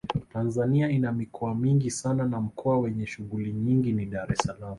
Tanzania ina mikoa mingi sana na mkoa wenye shughuli nyingi ni Dar es salaam